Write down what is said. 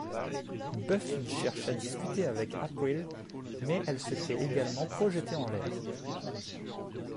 Buffy cherche à discuter avec April mais elle se fait également projeter en l'air.